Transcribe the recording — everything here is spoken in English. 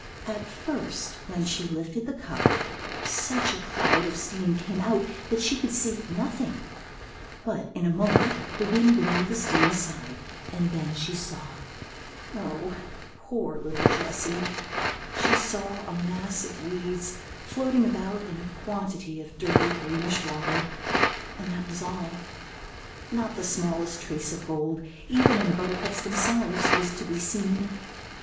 At first, when she lifted the cover, such a cloud of steam came out that she could see nothing; but in a moment the wind blew the steam aside, and then she saw, oh, poor little Jessy! she saw a mass of weeds floating about in a quantity of dirty, greenish water, and that was all. Not the smallest trace of gold, even in the buttercups themselves, was to be seen.